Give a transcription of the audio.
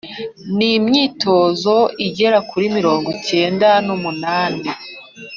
n’imyitozo igera kuri mirongo kenda n’umunani.